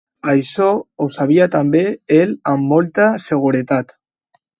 Això ho sabia també ell amb molta seguretat.